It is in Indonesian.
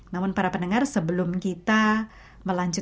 namun para pendengar sebelum kita melanjutkan